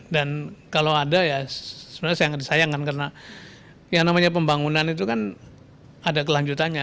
dan kalau ada ya sebenarnya saya tidak disayangkan karena yang namanya pembangunan itu kan ada kelanjutannya